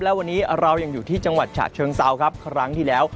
และวันนี้เรายังอยู่ที่จังหวัดฉะเชิงเซาครับครั้งที่แล้ว